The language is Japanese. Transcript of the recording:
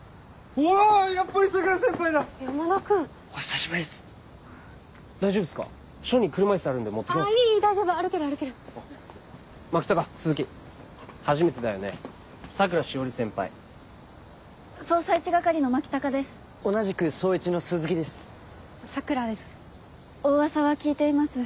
お噂は聞いています